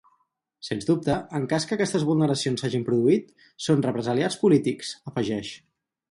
Sens dubte, en cas que aquestes vulneracions s’hagin produït, són represaliats polítics, afegeix.